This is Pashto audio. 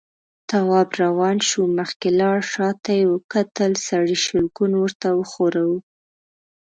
تواب روان شو، مخکې لاړ، شاته يې وکتل، سړي شلګون ورته وښوراوه.